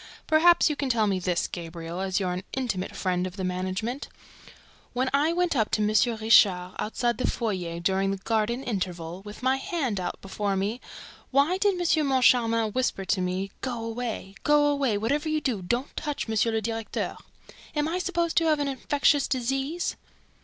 "Perhaps you can tell me this, Gabriel, as you're an intimate friend of the management: When I went up to M. Richard, outside the foyer, during the Garden interval, with my hand out before me, why did M. Moncharmin hurriedly whisper to me, 'Go away! Go away! Whatever you do, don't touch M. le Directeur!' Am I supposed to have an infectious disease?"